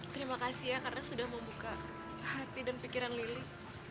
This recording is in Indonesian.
terima kasih ya karena sudah membuka hati dan pikiran lili